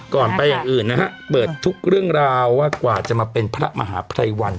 ก่อนไปอย่างอื่นนะฮะเปิดทุกเรื่องราวว่ากว่าจะมาเป็นพระมหาภัยวัน